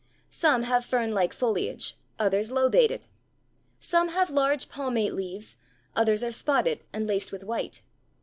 Some have fern like foliage, others lobated. Some have large palmate leaves, others are spotted and laced with white.